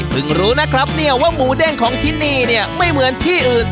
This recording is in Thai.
รู้นะครับเนี่ยว่าหมูเด้งของที่นี่เนี่ยไม่เหมือนที่อื่น